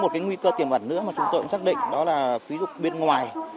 một cái nguy cơ tiềm ẩn nữa mà chúng tôi cũng xác định đó là ví dụ bên ngoài